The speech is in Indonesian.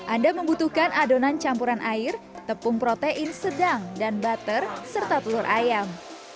anda membutuhkan adonan campuran air tepung protein sedang dan butter serta telur ayam